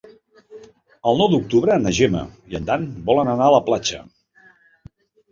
El nou d'octubre na Gemma i en Dan volen anar a la platja.